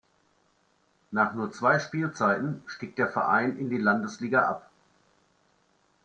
Nach nur zwei Spielzeiten stieg der Verein in die Landesliga ab.